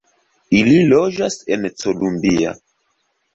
Ili loĝas en Columbia.